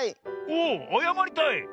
おおあやまりたい？